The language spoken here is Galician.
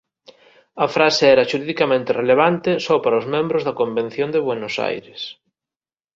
A frase era xuridicamente relevante só para os membros da Convención de Buenos Aires.